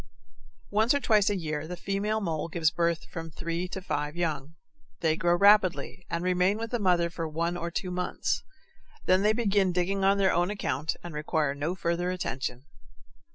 Once or twice a year the female mole gives birth to from three to five young. They grow rapidly, and remain with the mother for one or two months. Then they begin digging on their own account and require no further attention.